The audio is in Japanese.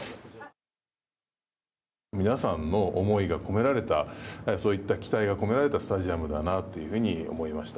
皆さんの思いが込められたそういった期待が込められたスタジアムだなと思いました。